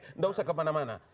nggak usah ke mana mana